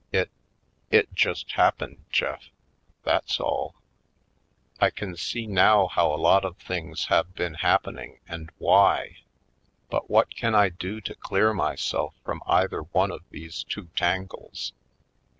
It— it just hap pened, Jeft— that's all. I can see now how a lot of things have been happening and why. But what can I do to clear myself from either one of these two tangles?